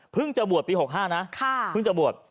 จะบวชปี๖๕นะเพิ่งจะบวช